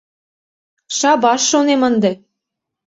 Шабаш, шонем, ынде.